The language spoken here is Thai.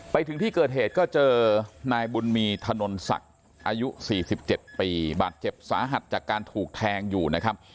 ไปถึงที่เกิดเหตุก็เจอนายบุญมีถนนศักดิ์อายุ๔๗ปีบาดเจ็บสาหัสจากการถูกแทงอยู่นะครับ